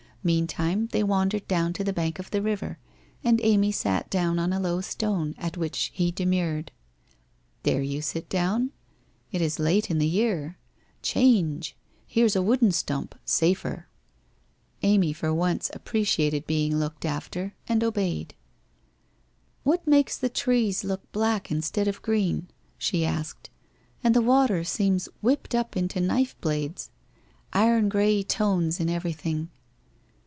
Meantime they wandered down to the bank of the river, and Amy sat down on a low stone, at which he demurred. * Dare you sit down ? It is late in the year. Change ! Here's a wooden stump — safer !' Amy for once appreciated being looked after, and obeyed. 'What makes the trees look black instead of green?' she asked, ' and the water seems whipped up into knife blades ? Iron grey tones in everything